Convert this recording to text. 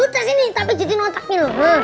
ustadz ini tapi jadi nontaknya lho